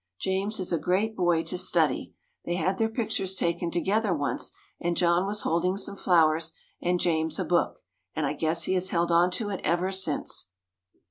James is a great boy to study. They had their pictures taken together once and John was holding some flowers and James a book and I guess he has held on to it ever since.